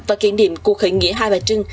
và kiện niệm cuộc khởi nghĩa hai bà trưng